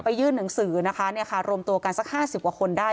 ไปยื่นหนังสือนะคะเนี้ยค่ะโรมตัวกันสักห้าสิบกว่าคนได้